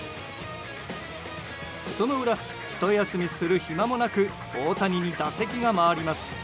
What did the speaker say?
その裏、ひと休みする暇もなく大谷に打席が回ります。